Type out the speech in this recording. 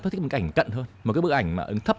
tôi thích một cái cảnh cận hơn một cái bức ảnh mà ứng thấp